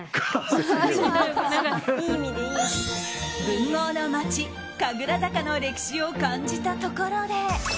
文豪の街・神楽坂の歴史を感じたところで。